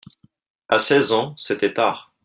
À seize ans, c'était tard.